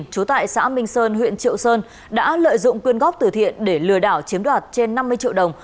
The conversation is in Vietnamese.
chú tại xã minh sơn huyện triệu sơn đã lợi dụng quyên góp từ thiện để lừa đảo chiếm đoạt trên năm mươi triệu đồng